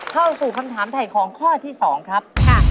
เข้าสู่คำถามถ่ายของข้อที่๒ครับ